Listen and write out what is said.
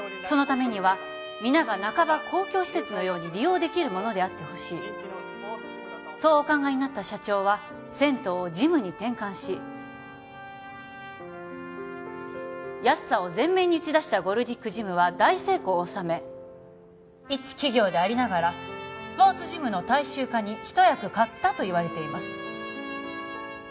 そのためには皆が半ば公共施設のように利用できるものであってほしいそうお考えになった社長は銭湯をジムに転換し安さを前面に打ち出したゴルディックジムは大成功を収め一企業でありながらスポーツジムの大衆化に一役買ったといわれています